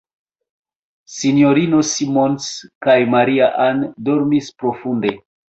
S-ino Simons kaj Maria-Ann dormis profunde.